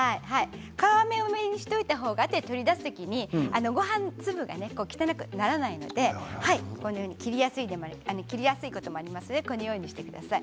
皮目を上にしておいた方が取り出す時にごはん粒が汚くならないのでこのように切りやすいこともありますのでこのようにしてください。